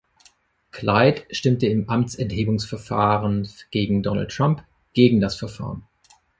Clyde stimmte im Amtsenthebungsverfahren gegen Donald Trump gegen das Verfahren.